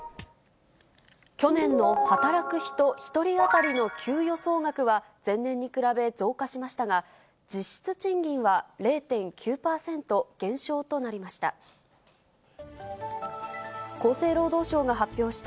去年の働く人１人当たりの給与総額は、前年に比べ増加しましたが、実質賃金は０．９％減少となりました。